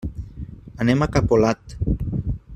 Anem a Capolat.